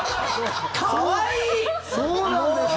そうなんですね。